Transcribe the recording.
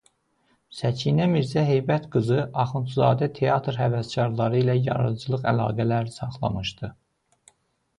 Səkinə Mirzə Heybət qızı Axundzadə teatr həvəskarları ilə yaradıcılıq əlaqələri saxlamışdı.